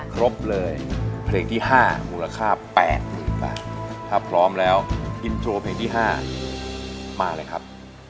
ครบเลยเพลงที่๕มูลค่า๘๐๐๐บาทถ้าพร้อมแล้วอินโทรเพลงที่๕มาเลยครับ